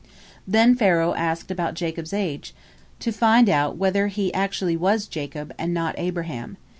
Then Pharaoh asked about Jacob's age, to find out whether he actually was Jacob, and not Abraham.